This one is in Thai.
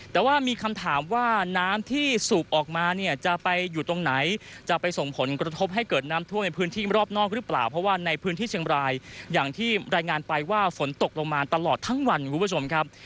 แต่ว่ามีคำถามว่าน้ำที่สูบออกมาเนี่ยจะไปอยู่ตรงไหนจะไปส่งผลกระทบให้เกิดน้ำท่วมในพื้นที่รอบนอกหรือเปล่าเพราะว่าในพื้นที่เชียงบรายอย่างที่รายงานไปว่าฝนตกลงมาตลอดทั้งวันคุณผู้ชมครับ